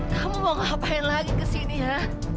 kamu mau ngapain lagi kesini ya